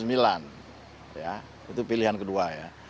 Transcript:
itu pilihan kedua ya